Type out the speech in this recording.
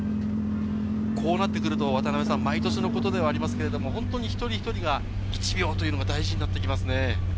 こうなってくると毎年のことではありますけれど一人一人が１秒というのが大事になってきますね。